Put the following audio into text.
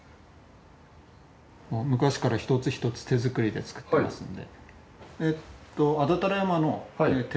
昔から一つ一つ手作りで作ってますんで。